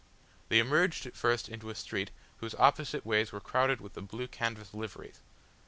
They emerged at first into a street whose opposite ways were crowded with the blue canvas liveries.